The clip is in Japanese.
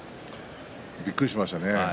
びっくりしましたね。